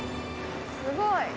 すごい。